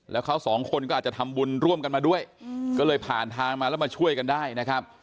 แล้วเขาสองคนก็อาจจะทำบุญร่วมกันมาด้วยก็เลยผ่านทางมาแล้วมาช่วยกันได้นะครับ